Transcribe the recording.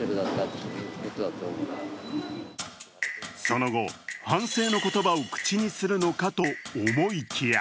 その後、反省の言葉を口にするのかと思いきや